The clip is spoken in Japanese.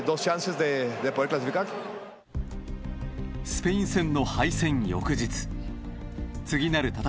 スペイン戦の敗戦